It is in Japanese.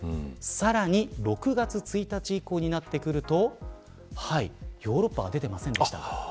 さらに６月１日以降になってくるとヨーロッパが出てませんでした。